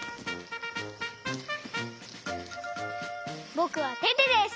ぼくはテテです！